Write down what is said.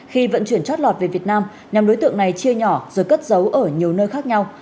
khi vận chuyển chót lọt về việt nam nhóm đối tượng này chia nhỏ rồi cất giấu ở nhiều nơi khác nhau